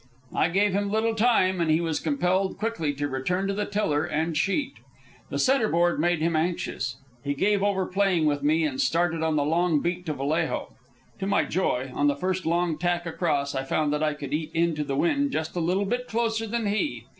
I gave him little time, and he was compelled quickly to return to the tiller and sheet. The centre board made him anxious. He gave over playing with me, and started on the long beat to Vallejo. To my joy, on the first long tack across, I found that I could eat into the wind just a little bit closer than he.